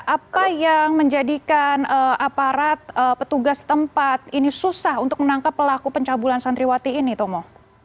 apa yang menjadikan aparat petugas tempat ini susah untuk menangkap pelaku pencabulan santriwati ini tomo